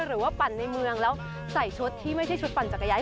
ปั่นในเมืองแล้วใส่ชุดที่ไม่ใช่ชุดปั่นจักรยาน